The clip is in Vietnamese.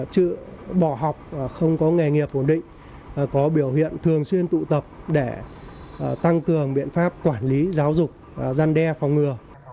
trự bỏ học không có nghề nghiệp ổn định có biểu hiện thường xuyên tụ tập để tăng cường biện pháp quản lý giáo dục gian đe phòng ngừa